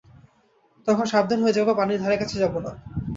তখন সাবধান হয়ে যাব পানির ধারে কাছে যাব না।